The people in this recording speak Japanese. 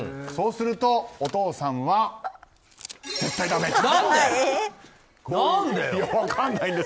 そうするとお父さんは絶対だめ。